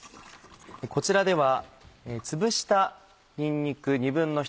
こちらでは。